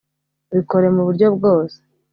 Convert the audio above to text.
bikore muburyo bwose